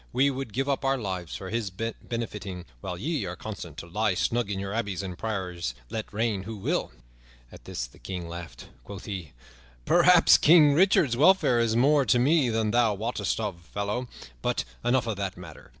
We would give up our lives for his benefiting, while ye are content to lie snug in your abbeys and priories let reign who will." At this the King laughed. Quoth he, "Perhaps King Richard's welfare is more to me than thou wottest of, fellow. But enough of that matter.